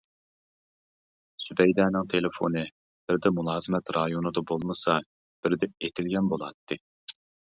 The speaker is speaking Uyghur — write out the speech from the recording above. زۇبەيدەنىڭ تېلېفونى بىردە مۇلازىمەت رايونىدا بولمىسا، بىردە ئېتىلگەن بولاتتى.